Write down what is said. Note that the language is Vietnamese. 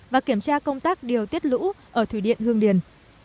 và kiểm tra công tác điều tiết lũ ở thủy điện hương điền